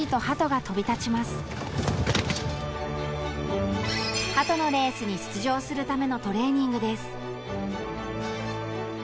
鳩のレースに出場するためのトレーニングです。